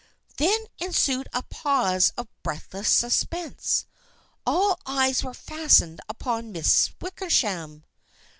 Then ensued a pause of breathless suspense. All eyes were fastened upon Miss Wickersham.